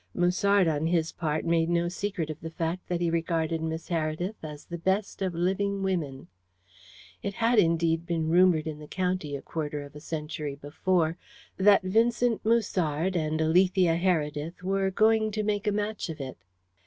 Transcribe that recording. Musard, on his part, made no secret of the fact that he regarded Miss Heredith as the best of living women. It had, indeed, been rumoured in the county a quarter of a century before that Vincent Musard and Alethea Heredith were "going to make a match of it."